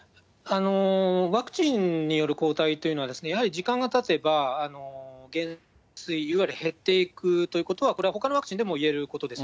ワクチンによる抗体というのは、やはり時間がたてば減衰、いわゆる減っていくということは、これはほかのワクチンでもいえることです。